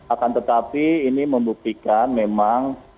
akan tetapi ini membuktikan memang